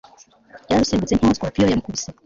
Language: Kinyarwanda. yararusimbutse nkaho sikorupiyo yamukubise